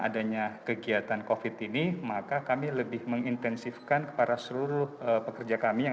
adanya kegiatan covid ini maka kami lebih mengintensifkan kepada seluruh pekerja kami yang